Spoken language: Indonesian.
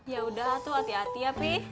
yaudah tuh hati hati ya pi